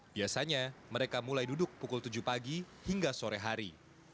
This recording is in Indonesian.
biasanya mereka mulai duduk pukul tujuh pagi hingga sore hari